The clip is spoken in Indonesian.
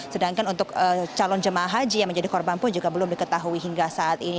sedangkan untuk calon jemaah haji yang menjadi korban pun juga belum diketahui hingga saat ini